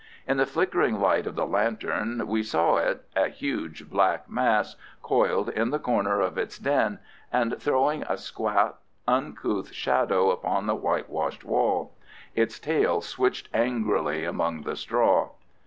In the flickering light of the lantern, we saw it, a huge black mass, coiled in the corner of its den and throwing a squat, uncouth shadow upon the whitewashed wall. Its tail switched angrily among the straw.